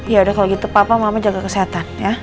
ya udah kalau gitu papa mama jaga kesehatan ya